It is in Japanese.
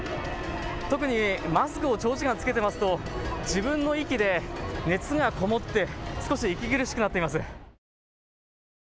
特にマスクを長時間、着けていますと自分の息で、熱がこもって少し息苦しくなっています。